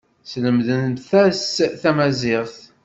Slemdent-as tamaziɣt.